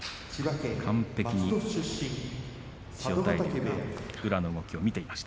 完璧に千代大龍が宇良の動きを見ていました。